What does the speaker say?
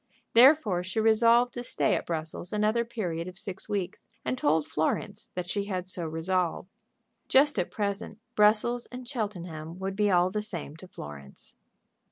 Therefore she resolved to stay at Brussels another period of six weeks and told Florence that she had so resolved. Just at present Brussels and Cheltenham would be all the same to Florence.